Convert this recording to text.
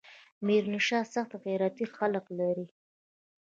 ميرانشاه سخت غيرتي خلق لري.